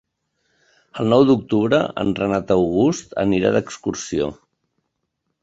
El nou d'octubre en Renat August anirà d'excursió.